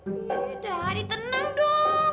yaudah adi tenang dong